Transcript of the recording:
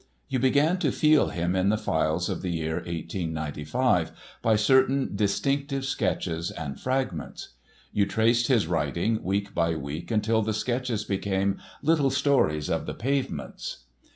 You began to feel him in the files of the year 1895, by certain distinctive sketches and fragments. You traced his writing week by week until the sketches became "Little Stories of the Pavements."